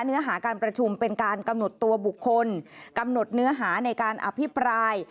เนื้อหาการประชุมเป็นการกำหนดตัวบุคคลกำหนดเนื้อหาในการอภิปราย